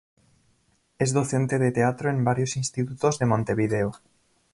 Es docente de Teatro en varios institutos de Montevideo.